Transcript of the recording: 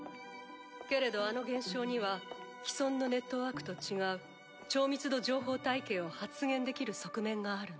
けれどあの現象には既存のネットワークと違う超密度情報体系を発現できる側面があるの。